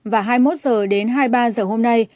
và hai mươi một h đến hai mươi ba h hôm nay